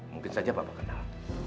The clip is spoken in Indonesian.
mungkin saja papa kenal